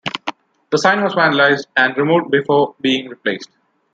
The sign was vandalized and removed before being replaced.